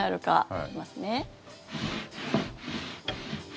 行きますね。